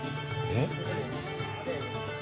えっ！？